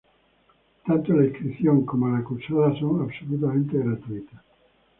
Tanto la inscripción como la cursada son absolutamente gratuitas.